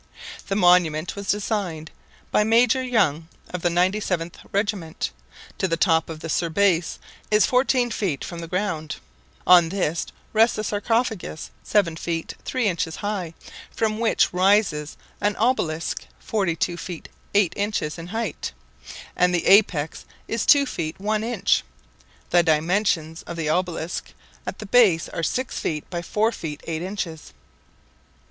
The monument was designed by Major Young of the 97th Regiment. To the top of the surbase is fourteen feet from the ground; on this rests a sarcophagus, seven feet three inches high, from which rises an obelisk forty two feet eight inches in height, and the apex is two feet one inch. The dimensions of the obelisk at the base are six feet by four feet eight inches.